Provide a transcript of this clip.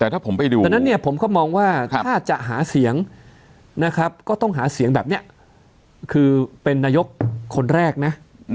แต่ถ้าผมไปดูดังนั้นเนี่ยผมก็มองว่าถ้าจะหาเสียงนะครับก็ต้องหาเสียงแบบนี้คือเป็นนายกคนแรกนะ